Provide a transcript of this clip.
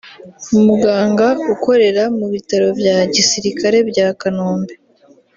umuganga ukorera mu bitaro bya gisirikare bya Kanombe